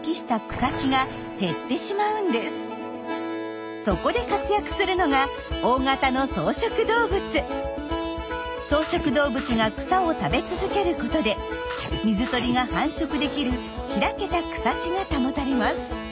草食動物が草を食べ続けることで水鳥が繁殖できる開けた草地が保たれます。